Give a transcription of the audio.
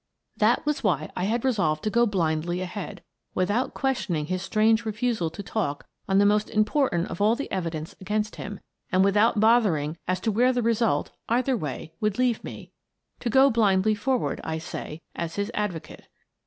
That was why I had resolved to go blindly ahead, without questioning his strange refusal to talk on the most important of all the evidence against him and* without bother ing as to where the result, either way, would leave me — to go blindly forward, I say, as his advocate.